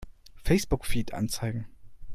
Facebook-Feed anzeigen!